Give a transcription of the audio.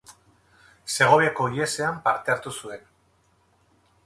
Segoviako ihesean parte hartu zuen.